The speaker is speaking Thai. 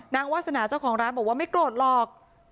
วาสนาเจ้าของร้านบอกว่าไม่โกรธหรอก